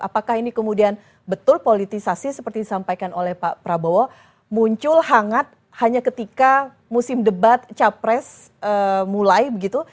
apakah ini kemudian betul politisasi seperti disampaikan oleh pak prabowo muncul hangat hanya ketika musim debat capres mulai begitu